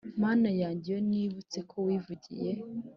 mana yanjye iyo nibutse ko wivugiye